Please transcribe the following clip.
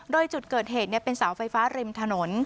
โดยจุดเกิดเหตุเป็นเสาไฟฟ้าริมถนน